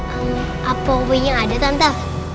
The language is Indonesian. apa uangnya ada tante